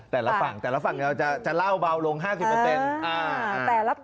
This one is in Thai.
แต่ละฝั่งแต่ละฝั่งเราจะเล่าเบาลง๕๐เปอร์เซ็นต์